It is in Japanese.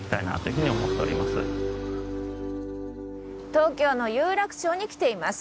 東京の有楽町に来ています。